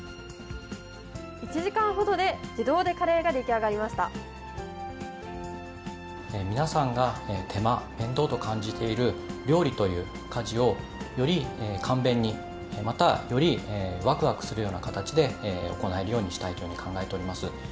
１時間ほどで、皆さんが手間、面倒と感じている料理という家事を、より簡便に、また、よりわくわくするような形で行えるようにしたいと考えております。